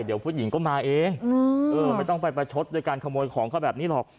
เดี๋ยวผู้หญิงก็มาเองไม่ต้องไปประชดโดยการขโมยของเขาแบบนี้หรอก